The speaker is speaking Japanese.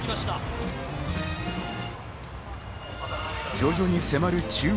徐々に迫る中央。